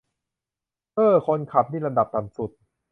เอ้อ คนขับนี่ลำดับต่ำสุด